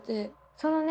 そのね